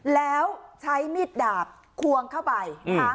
แล้วใช้มีดดาบควงเข้าไป